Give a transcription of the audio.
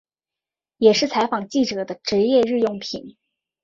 也是采访记者的职业日用品。